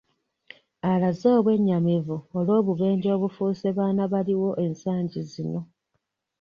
Alaze obwennyamivu olw'obubenje obufuuse baana baliwo ensangi zino